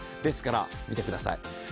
ですから見てください。